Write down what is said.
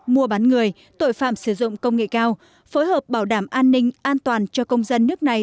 mua bán người tội phạm sử dụng công nghệ cao phối hợp bảo đảm an ninh an toàn cho công dân nước này